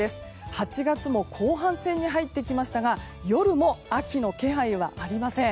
８月も後半戦に入ってきましたが夜も、秋の気配はありません。